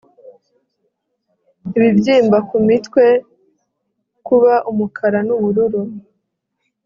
Ibibyimba ku mitwe kuba umukara nubururu